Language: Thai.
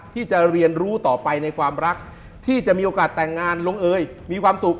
ที่จะเรียนรู้ต่อไปในความรักที่จะมีโอกาสแต่งงานลงเอยมีความสุข